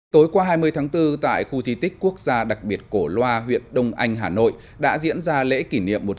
tối qua hai mươi tháng bốn tại khu di tích quốc gia đặc biệt cổ loa huyện đông anh hà nội đã diễn ra lễ kỷ niệm